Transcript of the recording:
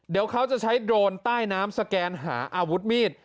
เดี๋ยวเขาจะใช้โดรนใต้น้ำสแกนหาอาวุธมีด